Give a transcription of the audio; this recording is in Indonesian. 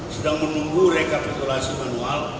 sedang menunggu rekapitulasi manual